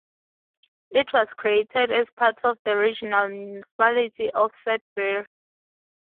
It was created as part of the Regional Municipality of Sudbury.